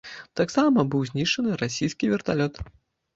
Таксама быў знішчаны расійскі верталёт.